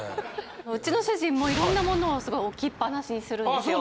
うちの主人もいろんなものをすごい置きっぱなしにするんですよ。